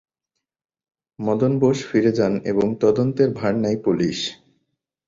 মদন বোস ফিরে যান এবং তদন্তের ভার নেয় পুলিশ।